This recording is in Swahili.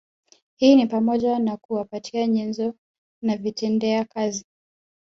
Hii ni pamoja na kuwapatia nyenzo na vitendea kazi